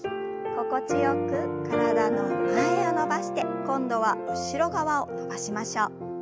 心地よく体の前を伸ばして今度は後ろ側を伸ばしましょう。